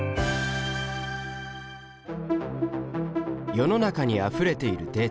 世の中にあふれているデータ。